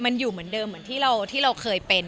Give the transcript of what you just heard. มันอยู่เหมือนเดิมเหมือนที่เราเคยเป็น